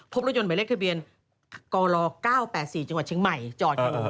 พบรถยนต์ใบเล็กทะเบียนกร๙๘๔จังหวัดเชียงใหม่จอดข้างโน้น